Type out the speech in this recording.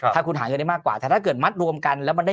ถ้าคุณหาเงินได้มากกว่าแต่ถ้าเกิดมัดรวมกันแล้วมันได้